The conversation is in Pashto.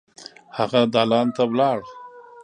هغه دالان ته لاړ.